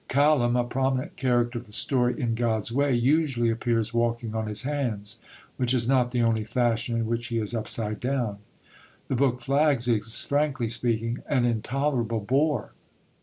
Kallem, a prominent character of the story In God's Way, usually appears walking on his hands, which is not the only fashion in which he is upside down. The book Flags is, frankly speaking, an intolerable bore.